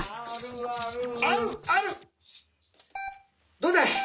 「どうだい？